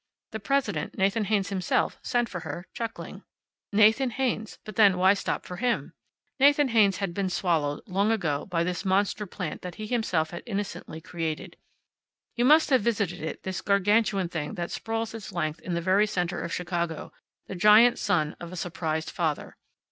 The president, Nathan Haynes himself, sent for her, chuckling. Nathan Haynes but then, why stop for him? Nathan Haynes had been swallowed, long ago, by this monster plant that he himself had innocently created. You must have visited it, this Gargantuan thing that sprawls its length in the very center of Chicago, the giant son of a surprised father.